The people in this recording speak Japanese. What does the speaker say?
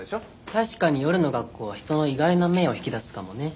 確かに夜の学校は人の意外な面を引き出すかもね。